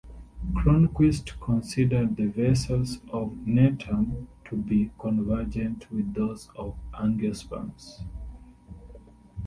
Cronquist considered the vessels of "Gnetum" to be convergent with those of angiosperms.